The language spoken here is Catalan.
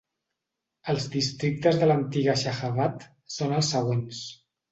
Els districtes de l'antiga Shahabad són els següents.